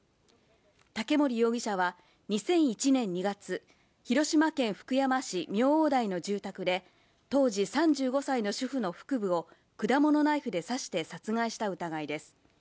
竹森容疑者は２００１年２月、広島県福山市明王台の住宅で当時３５歳の主婦の腹部を果物ナイフで刺して殺害した疑いです。